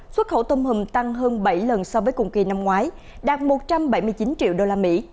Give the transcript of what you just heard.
xuất khẩu tôm hùm tăng hơn bảy lần so với cùng kỳ năm ngoái đạt một trăm bảy mươi chín triệu đô la mỹ